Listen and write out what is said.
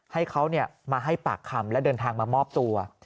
ให้เขามาให้ปากคำและเดินทางมามอบตัว